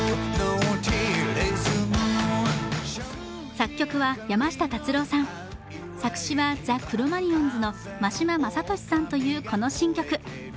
作曲は山下達郎さん、作詞はザ・クロマニヨンズの真島昌利さんというこの新曲。